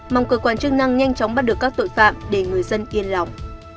mong cơ quan chức năng nhanh chóng bắt được các tội phạm để người dân yên lòng